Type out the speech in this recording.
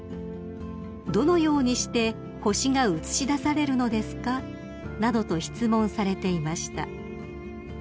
「どのようにして星が映し出されるのですか？」などと質問されていました］